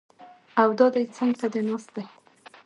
او دا دی څنګ ته دې ناست دی!